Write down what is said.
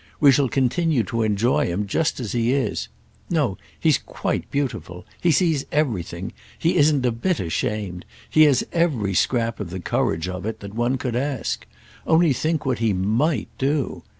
We shall continue to enjoy him just as he is. No—he's quite beautiful. He sees everything. He isn't a bit ashamed. He has every scrap of the courage of it that one could ask. Only think what he might do.